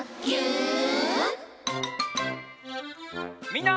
みんな。